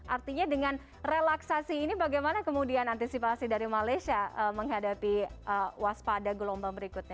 artinya dengan relaksasi ini bagaimana kemudian antisipasi dari malaysia menghadapi waspada gelombang berikutnya